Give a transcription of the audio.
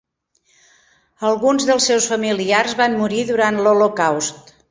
Alguns dels seus familiars van morir durant l"holocaust.